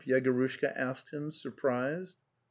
Yegoryshka asked him, surprised.